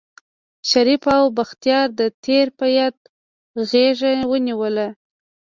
شريف او بختيار د تېر په ياد غېږه ونيوله.